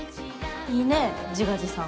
いいね自画自賛。